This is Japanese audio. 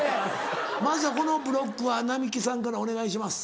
まずはこのブロックは並木さんからお願いします。